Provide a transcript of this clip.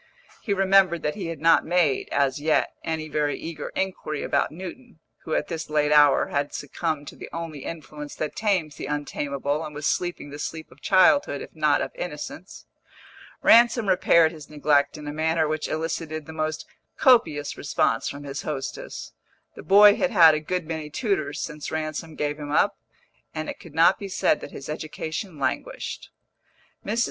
He remembered that he had not made, as yet, any very eager inquiry about Newton, who at this late hour had succumbed to the only influence that tames the untamable and was sleeping the sleep of childhood, if not of innocence. Ransom repaired his neglect in a manner which elicited the most copious response from his hostess. The boy had had a good many tutors since Ransom gave him up, and it could not be said that his education languished. Mrs.